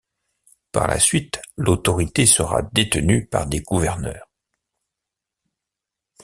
Par la suite l'autorité sera détenue par des gouverneurs.